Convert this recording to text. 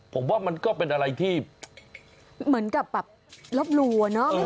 ผมว่ามันก็เป็นอะไรที่เหมือนกับแบบลบหลู่อ่ะเนอะ